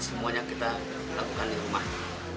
semuanya kita lakukan di rumah